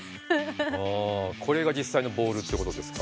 これが実際のボールってことですか？